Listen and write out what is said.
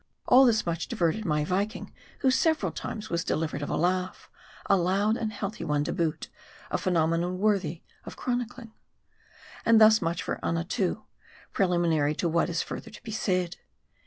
All this much diverted my Viking, who several times was de livered of a laugh ; a loud and healthy one to boot : a phe nomenon worthy the chronicling. And thus much for Annatoo, preliminary to what is further to be said.